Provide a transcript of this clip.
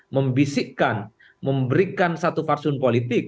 membisikkan memberikan satu farsun politik